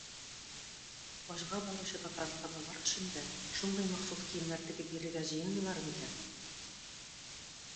Хаҗга баручы татарстанлылар өчен дә шундый махсус киемнәр тегеп бирергә җыенмыйлармы икән?